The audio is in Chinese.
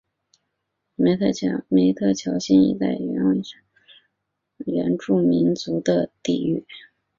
梅特乔辛一带原为沙利殊原住民族的地域。